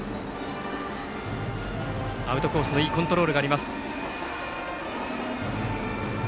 アウトコースのいいコントロールがあります。